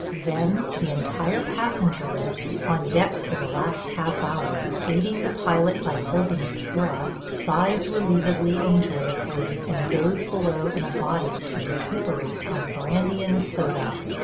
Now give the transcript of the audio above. Then the entire passenger list – on deck for the last half hour, aiding the pilot by holding its breath – sighs relievedly and joyously, and goes below in a body to recuperate on brandy and soda.